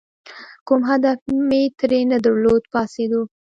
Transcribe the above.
کوم هدف مې ترې نه درلود، پاڅېدو.